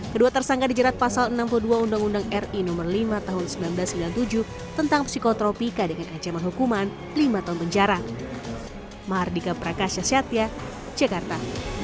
kedua tersangka dijerat pasal enam puluh dua undang undang ri no lima tahun seribu sembilan ratus sembilan puluh tujuh tentang psikotropika dengan ancaman hukuman lima tahun penjara